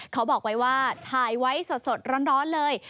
เขาบอกไว้ว่าถ่ายไว้สดร้อนเลย